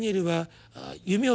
はい。